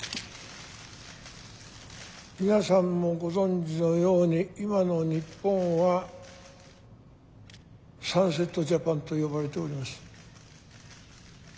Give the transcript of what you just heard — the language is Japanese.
皆さんもご存じのように今の日本はサンセット・ジャパンと呼ばれております。